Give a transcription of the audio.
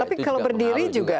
tapi kalau berdiri juga